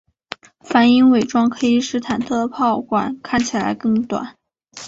反影伪装可以使坦克炮管看起来更短。